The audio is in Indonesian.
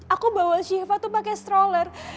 aku bawa shiva tuh pakai stroller